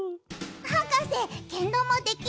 はかせけんだまできる？